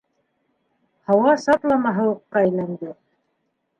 Һауа сатлама һыуыҡҡа әйләнде.